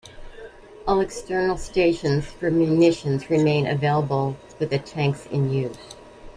All external stations for munitions remain available with the tanks in use.